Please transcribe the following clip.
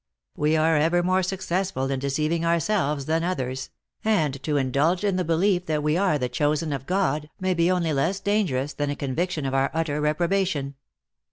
We are ever more successful in deceiving ourselves than others ; and to indulge in the belief that we are the chosen of God, may be only less dangerous than a conviction of our utter reprobation."